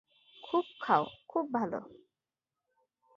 খুব খাও, খুব ভাল।